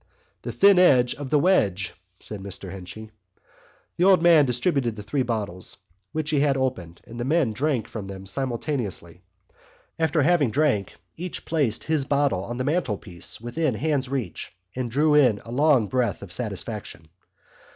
"The thin edge of the wedge," said Mr Henchy. The old man distributed the three bottles which he had opened and the men drank from them simultaneously. After having drunk each placed his bottle on the mantelpiece within hand's reach and drew in a long breath of satisfaction.